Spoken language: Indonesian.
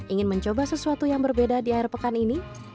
ingin mencoba sesuatu yang berbeda di air pekan ini